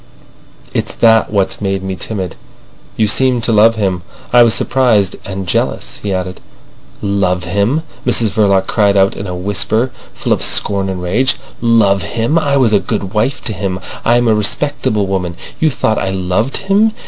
"It's that what's made me timid. You seemed to love him. I was surprised—and jealous," he added. "Love him!" Mrs Verloc cried out in a whisper, full of scorn and rage. "Love him! I was a good wife to him. I am a respectable woman. You thought I loved him!